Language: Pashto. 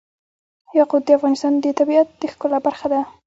یاقوت د افغانستان د طبیعت د ښکلا برخه ده.